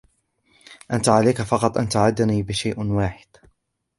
أنتً عليكَ فقط أن تعدُني بشيء واحد.